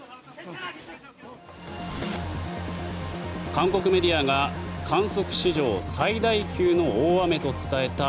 韓国メディアが観測史上最大級の大雨と伝えた